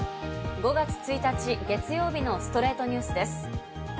５月１日、月曜日の『ストレイトニュース』です。